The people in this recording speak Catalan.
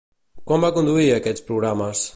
Quan va conduir aquests programes?